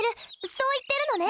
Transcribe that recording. そう言ってるのね？